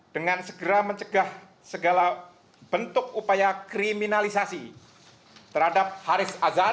dengan segera mencegah segala bentuk upaya kriminalisasi terhadap haris azhar